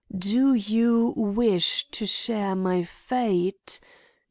"Do you wish to share my fate?